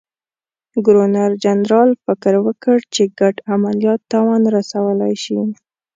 ګورنرجنرال فکر وکړ چې ګډ عملیات تاوان رسولای شي.